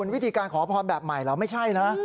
วิธีการขอพรแบบใหม่เหรอไม่ใช่นะ